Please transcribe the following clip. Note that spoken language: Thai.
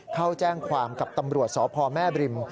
เข้าแจ้งความกับตำรวจสพแม่บริม